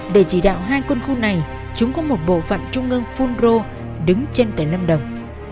để chỉ đạo hai quân khu này chúng có một bộ phận trung ương phunro đứng trên tỉnh lâm đồng